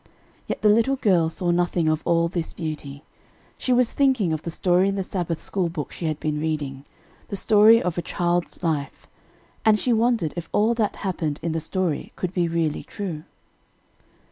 Yet the little girl saw nothing of all this beauty. She was thinking of the story in the Sabbath school book she had been reading, the story of a child's life; and she wondered if all that happened in the story could be really true.